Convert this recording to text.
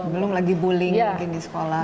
belum lagi bullying mungkin di sekolah